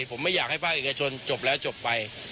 ผมไม่อยากให้ภาคเอกชนจบแล้วจบไป